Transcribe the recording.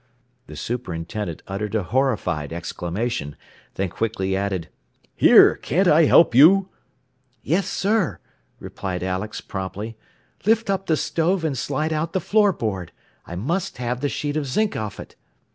The superintendent uttered a horrified exclamation, then quickly added: "Here, can't I help you?" "Yes, sir," replied Alex, promptly. "Lift up the stove and slide out the floor board. I must have the sheet of zinc off it."